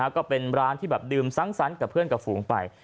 ก็เป็นร้านที่แบบดื่มสังสรรค์กับเพื่อนกับฝูงไป